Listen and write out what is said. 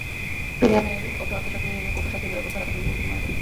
প্রিমিয়ামের অর্থ আত্মসাতে কঠোর শাস্তির ব্যবস্থা রাখা জরুরি বলে তিনি মনে করেন।